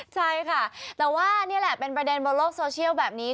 ใช่ค่ะแต่ว่านี่แหละเป็นประเด็นบนโลกโซเชียลแบบนี้